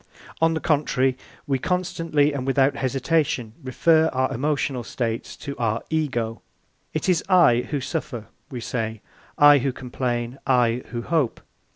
On the contrary, we constantly and without hesitation refer our emotional states to our Ego. It is I who suffer, we say, I who complain, I who hope.